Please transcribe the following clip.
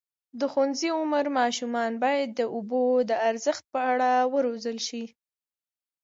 د ښوونځي عمر ماشومان باید د اوبو د ارزښت په اړه وروزل شي.